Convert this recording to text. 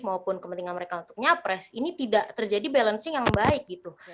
maupun kepentingan mereka untuk nyapres ini tidak terjadi balancing yang baik gitu